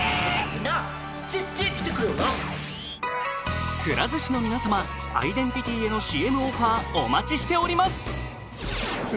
みんなぜってえ来てくれよなくら寿司の皆様アイデンティティへのＣＭオファーお待ちしております